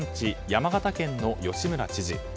山形県の吉村知事。